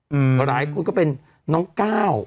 หลายคนก็เป็นน้องก้าว